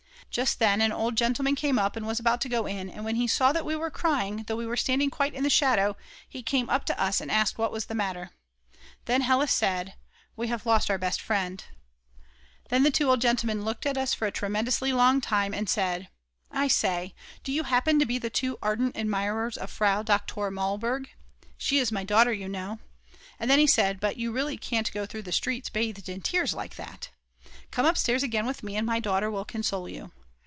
Just then an old gentleman came up and was about to go in, and when he saw that we were crying, though we were standing quite in the shadow, he came up to us and asked what was the matter. Then Hella said: "We have lost out best friend." Then the old gentleman looked at us for a tremendously long time and said: "I say, do you happen to be the two ardent admirers of Frau Doktor Mallburg? She is my daughter, you know. And then he said: But you really can't go through the streets bathed in tears like that. Come upstairs again with me and my daughter will console you."